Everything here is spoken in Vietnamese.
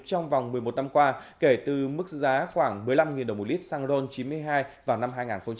một năm qua kể từ mức giá khoảng một mươi năm đồng một lít xăng ron chín mươi hai vào năm hai nghìn chín